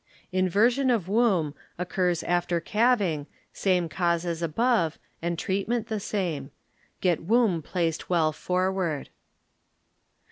Inversion op Woub occurs after calv ing^ same cause as above and treatment the tame; get womb placed well for ward.